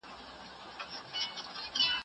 هغه وويل چي کتابونه ګټور دي.